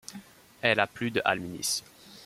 Elle a plus de alumnis.